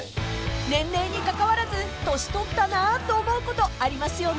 ［年齢にかかわらず年取ったなと思うことありますよね］